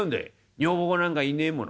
「女房子なんかいねえもの」。